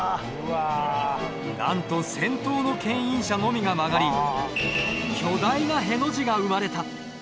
なんと先頭の牽引車のみが曲がり巨大なへの字が生まれた。